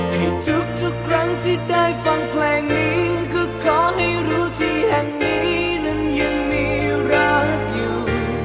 ทุกครั้งที่ได้ฟังเพลงนี้คือขอให้รู้ที่แห่งนี้นั้นยังมีรักอยู่